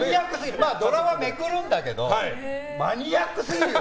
まあ、ドラはめくるんだけどマニアックすぎるよ！